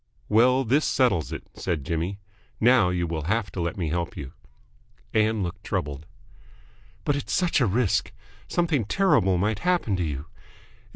"Well, this settles it," said Jimmy. "Now you will have to let me help you." Ann looked troubled. "But it's such a risk. Something terrible might happen to you.